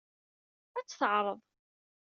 Ad tt-teɛreḍ.